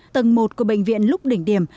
tầng một của bệnh viện lúc đỉnh điện